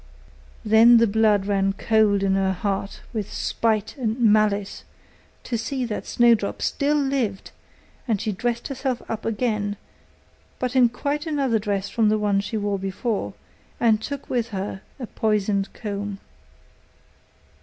Then the blood ran cold in her heart with spite and malice, to see that Snowdrop still lived; and she dressed herself up again, but in quite another dress from the one she wore before, and took with her a poisoned comb.